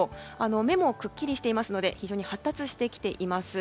目もくっきりしていますので非常に発達してきています。